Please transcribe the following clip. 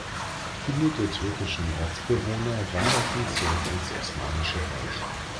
Viele der türkischen Ortsbewohner wanderten zurück ins Osmanische Reich.